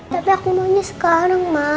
tapi aku maunya sekarang mah